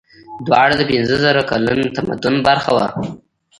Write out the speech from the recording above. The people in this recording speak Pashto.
دواړه د پنځه زره کلن تمدن برخه وو.